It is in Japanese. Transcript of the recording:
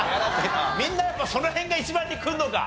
みんなやっぱその辺が一番にくるのか？